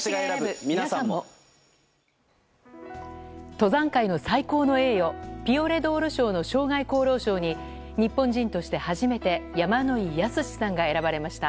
登山界の最高の栄誉ピオレドール賞の生涯功労賞に日本人として初めて山野井泰史さんが選ばれました。